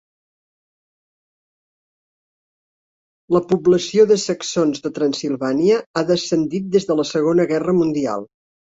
La població de saxons de Transsilvània ha descendit des de la Segona Guerra Mundial.